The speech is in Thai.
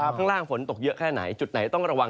ข้างล่างฝนตกเยอะแค่ไหนจุดไหนต้องระวัง